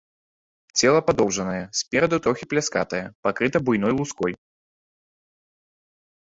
Цела падоўжанае, спераду трохі пляскатае, пакрыта буйной луской.